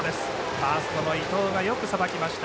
ファーストの伊藤がよくさばきました。